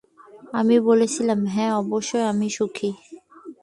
আমি বলেছিলাম, হ্যাঁ, অবশ্যই, আমি সুখী।